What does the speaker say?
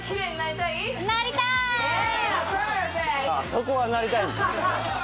そこはなりたいんだ。